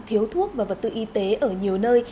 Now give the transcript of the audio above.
thiếu thuốc và vật tư y tế ở nhiều nơi